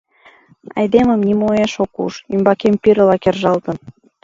Айдемым нимоэш ок уж, ӱмбакем пирыла кержалтын.